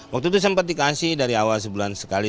waktu itu sempat dikasih dari awal sebulan sekali